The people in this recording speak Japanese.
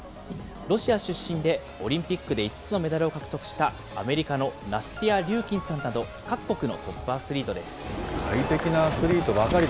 ロシア出身で、オリンピックで５つのメダルを獲得したアメリカのナスティア・リューキンさんなど各国のトップアスリートです。